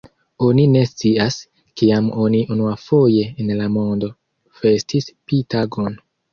Oni ne scias, kiam oni unuafoje en la mondo festis Pi-tagon.